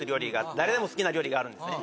誰でも好きな料理があるんですね